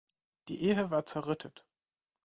Die Ehe war zerrüttet.